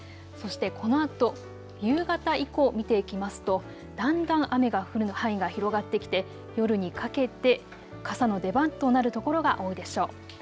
そしてこのあと夕方以降を見ていきますとだんだん雨が降る範囲が広がってきて夜にかけて傘の出番となる所が多いでしょう。